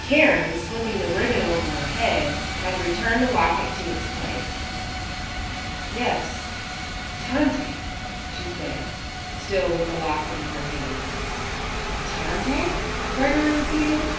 Karen, slipping the ribbon over her head, had returned the locket to its place. "Yes; Tante," she said, still with the locket in her hand. "Tante?" Gregory repeated.